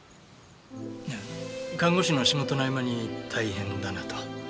看護師の仕事の合間に大変だなと。